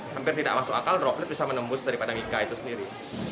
hampir tidak masuk akal droplet bisa menembus daripada nika itu sendiri